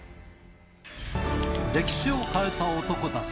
歴史を変えた男たち。